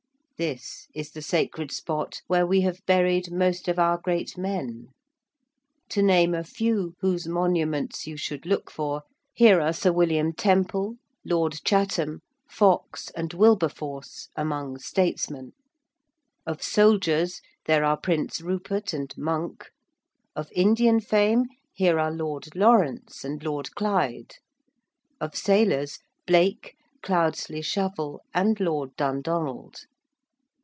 This is the sacred spot where we have buried most of our great men. To name a few whose monuments you should look for, here are Sir William Temple, Lord Chatham, Fox and Wilberforce, among statesmen; of soldiers there are Prince Rupert and Monk; of Indian fame, here are Lord Lawrence and Lord Clyde; of sailors, Blake, Cloudesley Shovel, and Lord Dundonald.